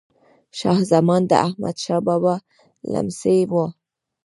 شاه زمان د احمد شاه بابا لمسی وه.